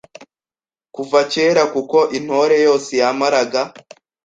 kuva kera kuko Intore yose yamaraga